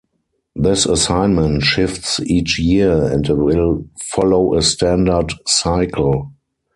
This assignment shifts each year and will follow a standard cycle.